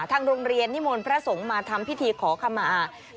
ทางโรงเรียนนิมนต์พระสงฆ์มาทำพิธีขอขมา